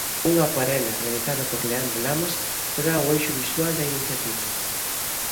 Unha acuarela realizada por Leandro Lamas será o eixo visual da iniciativa.